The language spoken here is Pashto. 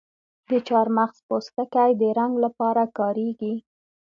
د چارمغز پوستکی د رنګ لپاره کاریږي؟